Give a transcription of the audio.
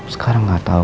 sekarang gak tau